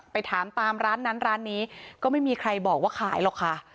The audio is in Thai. ไปถามตามร้านนั้นร้านนี้ก็ไม่มีใครบอกว่าขายหรอกค่ะ